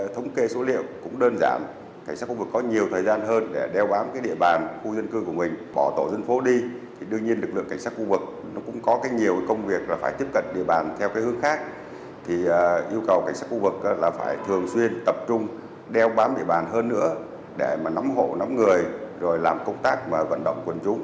theo hướng khác yêu cầu cảnh sát khu vực phải thường xuyên tập trung đeo bám địa bàn hơn nữa để nóng hộ nóng người rồi làm công tác và vận động quân chúng